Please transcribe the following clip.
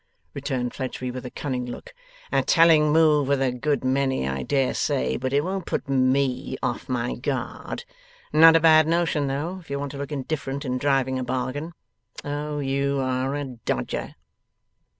returned Fledgeby, with a cunning look. 'A telling move with a good many, I dare say, but it won't put ME off my guard. Not a bad notion though, if you want to look indifferent in driving a bargain. Oh, you are a dodger!